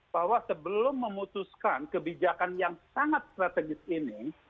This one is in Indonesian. bahwa sebelum memutuskan kebijakan yang sangat strategis ini